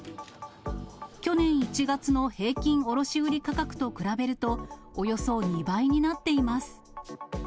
去年１月の平均卸売り価格と比べると、およそ２倍になっています。